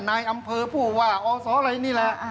นายอำเภอผู้ว่าอศอะไรนี่แหละ